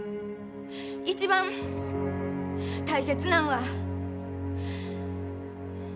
一番大切なんは。